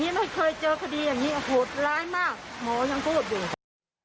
ไม่เคยเจอคดีอย่างนี้โหดร้ายมากหมอยังพูดอยู่